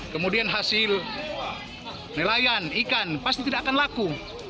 kemudian hasil nelayan ikan pasti tidak akan laku